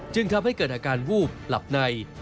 จึงทำให้เกิดอาการวูบหลับใน